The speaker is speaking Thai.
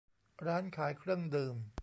ร้านขายเครื่องดื่ม